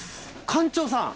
艦長さん。